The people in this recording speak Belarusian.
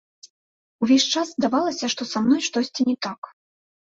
Увесь час здавалася, што са мной штосьці не так.